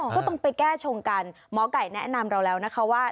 ก็ต้องไปแก้ชงกันหมอไก่แนะนำเราแล้วนะคะว่า